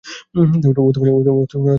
ও কোথায়, তা জানি না আমরা।